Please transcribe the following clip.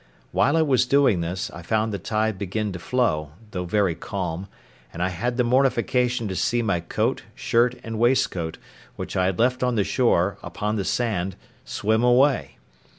While I was doing this, I found the tide begin to flow, though very calm; and I had the mortification to see my coat, shirt, and waistcoat, which I had left on the shore, upon the sand, swim away.